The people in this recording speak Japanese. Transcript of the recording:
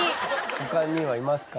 他にはいますか？